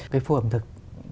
cái phố ẩm thực